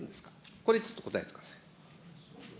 これ、ちょっと答えてください。